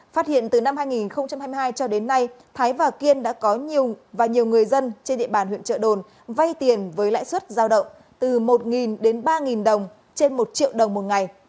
phát hiện từ năm hai nghìn hai mươi hai cho đến nay thái và kiên đã có nhiều và nhiều người dân trên địa bàn huyện trợ đồn vay tiền với lãi suất giao động từ một đến ba đồng trên một triệu đồng một ngày